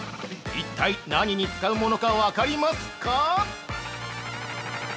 一体、何に使うものか分かりますか？